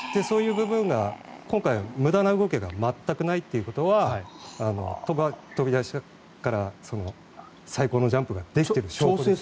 そういう部分が今回は無駄な動きが全くないということは飛び出しから最高のジャンプができている証拠。